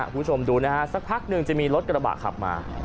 ผู้ชมดูสักพักหนึ่งจะมีรถกระบะขับมา